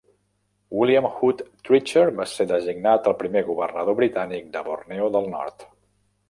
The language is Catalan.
William Hood Treacher va ser designat el primer governador britànic de Borneo del Nord.